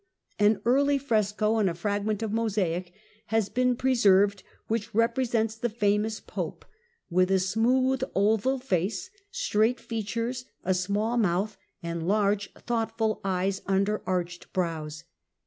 An early fresco and a fragment of mosaic have been preserved which repre sent the famous Pope with a smooth oval face, straight features, a small mouth, and large thoughtful eyes under arched brows.